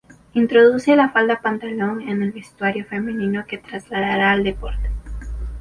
Introduce la falda pantalón en el vestuario femenino que trasladará al deporte.